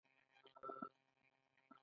موږ بايد په يوه مهمه موضوع پوه شو.